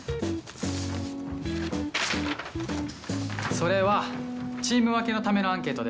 それはチーム分けのためのアンケートです。